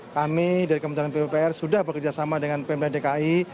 kami dari kementerian pupr sudah bekerjasama dengan pmd dki